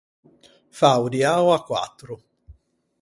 Fâ o diao à quattro.